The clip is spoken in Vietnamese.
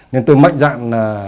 nên tôi mạnh dạng